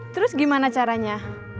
terus gimana caranya